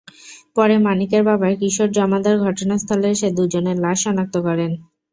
পরে মানিকের বাবা কিশোর জমাদার ঘটনাস্থলে এসে দুজনের লাশ শনাক্ত করেন।